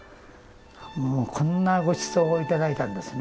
もうこんなごちそうをいただいたんですね